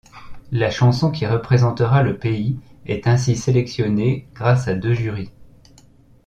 La chanson qui représentera le pays est ainsi sélectionnée grâce à deux jurys.